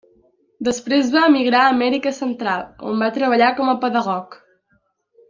Després va emigrar a Amèrica Central, on va treballar com a pedagog.